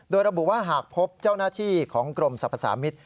โดยระบุว่าหากพบเจ้าหน้าที่ของกรมสรรพสามิตร